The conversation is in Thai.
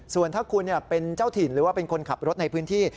ส่วนถ้าคุณเป็นเจ้าถิ่นหรือว่าเป็นคนขับรถในพื้นที่